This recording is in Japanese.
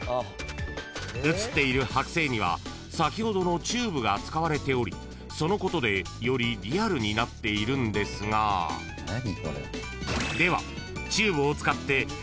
［写っている剥製には先ほどのチューブが使われておりそのことでよりリアルになっているんですがでは］